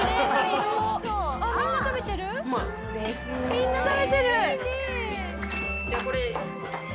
みんな食べてる！